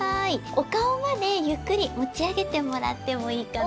おかおまでゆっくりもちあげてもらってもいいかな。